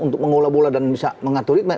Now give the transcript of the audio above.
untuk mengolah bola dan bisa mengatur ritme